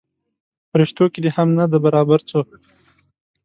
پریشتو کې دې هم نه دی برابر څوک.